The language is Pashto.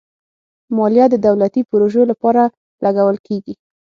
مالیه د دولتي پروژو لپاره لګول کېږي.